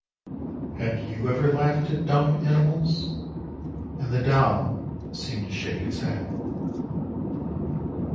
' Have you ever laughed at dumb animals? ' And the doll seemed to shake its head."